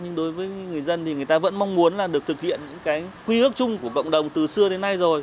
nhưng đối với người dân thì người ta vẫn mong muốn là được thực hiện những cái quy ước chung của cộng đồng từ xưa đến nay rồi